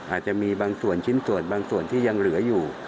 อาจจะมีบางส่วนชิ้นส่วนบางส่วนที่ยังเหลืออยู่